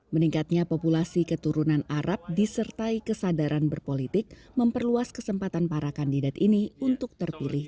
meningkatnya populasi keturunan arab disertai kesadaran berpolitik memperluas kesempatan para kandidat ini untuk terpilih